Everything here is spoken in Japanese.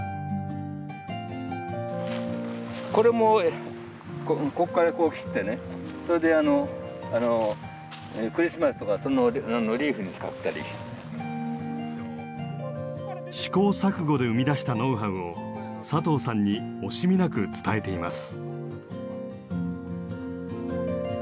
これも試行錯誤で生み出したノウハウを佐藤さんに惜しみなく伝えています。